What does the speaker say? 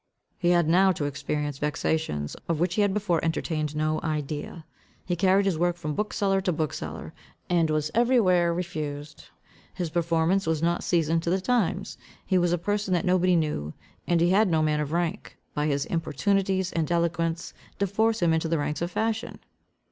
He had now to experience vexations, of which he had before entertained no idea. He carried his work from bookseller to bookseller, and was every where refused. His performance was not seasoned to the times, he was a person that nobody knew, and he had no man of rank, by his importunities and eloquence, to force him into the ranks of fashion.